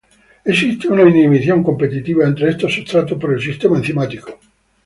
Existe una inhibición competitiva entre estos sustratos por el sistema enzimático.